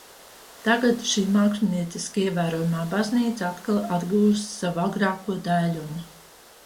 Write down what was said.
Tagad šī mākslinieciski ievērojamā baznīca atkal atguvusi savu agrāko daiļumu.